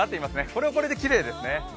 これはこれできれいですね。